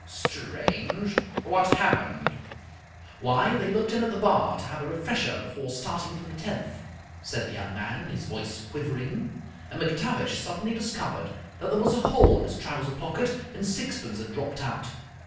"Strange! What happened?" "Why, they looked in at the bar to have a refresher before starting for the tenth," said the young man, his voice quivering, "and McTavish suddenly discovered that there was a hole in his trouser pocket and sixpence had dropped out.